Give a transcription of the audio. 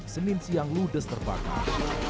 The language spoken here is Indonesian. senin siang ludes terbakar